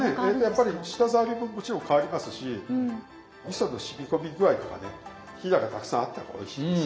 やっぱり舌触りももちろん変わりますしみそのしみこみ具合からねひだがたくさんあった方がおいしいです。